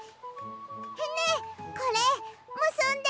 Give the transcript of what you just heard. ねえこれむすんで。